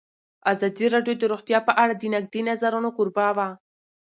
ازادي راډیو د روغتیا په اړه د نقدي نظرونو کوربه وه.